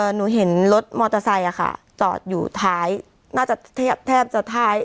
หนูเห็นรถมอเตอร์ไซค์จอดอยู่ท้ายน่าจะแทบจะท้าย